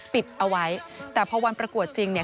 ปิดเอาไว้แต่พอวันประกวดจริงเนี่ย